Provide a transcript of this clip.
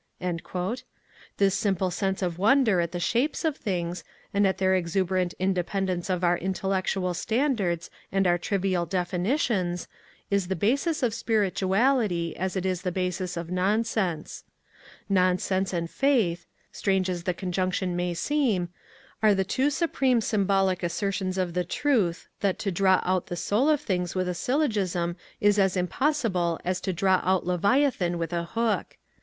This simple sense of wonder at the shapes of things, and at their exuberant independence of our intellectual standards and our trivial definitions, is the basis of spirituality as it is the basis of nonsense. Nonsense and faith (strange as the conjunction may seem) are the two supreme symbolic assertions of the truth that to draw out the soul of things with a syllogism is as impossible as to draw out Leviathan with a hook.